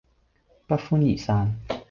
不歡而散